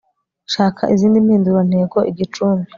shaka izindi mpindurantego igicumbi